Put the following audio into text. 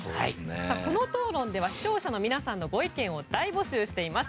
この討論では視聴者の皆さんのご意見を大募集しています。